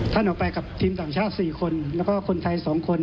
ออกไปกับทีมต่างชาติ๔คนแล้วก็คนไทย๒คน